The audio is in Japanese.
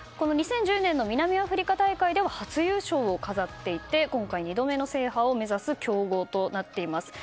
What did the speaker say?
２０１０年の南アフリカ大会では初優勝を飾っていて今回、２度目の制覇を目指す強豪となっています。